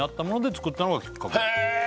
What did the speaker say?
「作ったのがきっかけ」へえ！